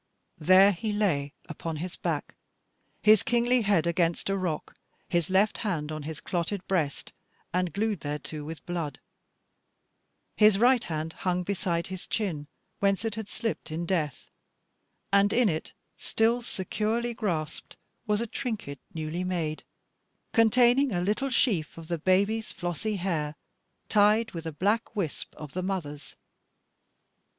There he lay upon his back, his kingly head against a rock, his left hand on his clotted breast and glued thereto with blood; his right hand hung beside his chin whence it had slipped in death, and in it still securely grasped was a trinket newly made, containing a little sheaf of the baby's flossy hair tied with a black wisp of the mother's.